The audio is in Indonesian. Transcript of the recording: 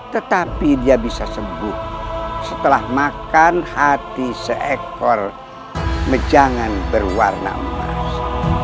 tetapi dia bisa sembuh setelah makan hati seekor mejangan berwarna emas